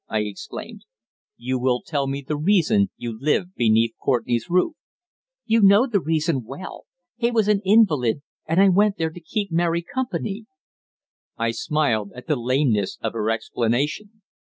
I exclaimed. "You will tell me the reason you lived beneath Courtenay's roof?" "You know the reason well. He was an invalid, and I went there to keep Mary company." I smiled at the lameness of her explanation.